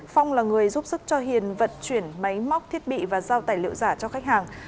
phong là người giúp sức cho hiền vận chuyển máy móc thiết bị và giao tài liệu giả cho khách hàng